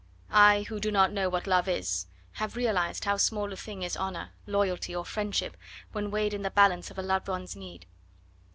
I, who do not know what love is, have realised how small a thing is honour, loyalty, or friendship when weighed in the balance of a loved one's need.